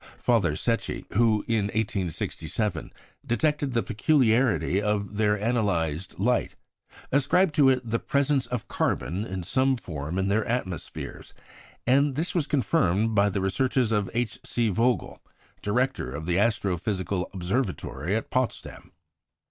Father Secchi, who in 1867 detected the peculiarity of their analyzed light, ascribed it to the presence of carbon in some form in their atmospheres; and this was confirmed by the researches of H. C. Vogel, director of the Astro physical Observatory at Potsdam.